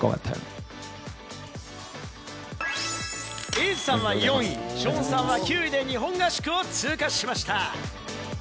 エイジさんは４位、ショーンさんは９位で日本合宿を通過しました。